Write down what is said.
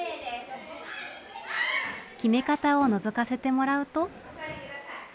決め方をのぞかせてもらうと。